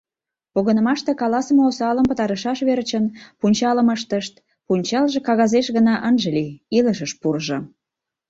Погынымаште каласыме осалым пытарышаш верчын пунчалым ыштышт, пунчалже кагазеш гына ынже лий, илышыш пурыжо.